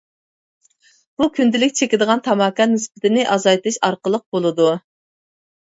بۇ كۈندىلىك چېكىدىغان تاماكا نىسبىتىنى ئازايتىش ئارقىلىق بولىدۇ.